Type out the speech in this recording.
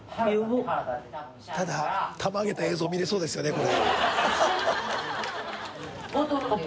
燭タマげた映像見れそうですよねこれ。